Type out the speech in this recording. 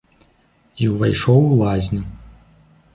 І ўвайшоў у лазню.